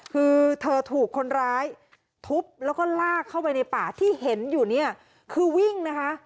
คือเธอถูกคนร้ายทุบแล้วก็ลากเข้าไปในป่าที่เห็นอยู่เนี่ยคือวิ่งนะคะ